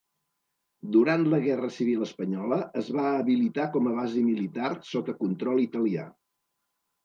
Durant la Guerra Civil Espanyola es va habilitar com a base militar sota control italià.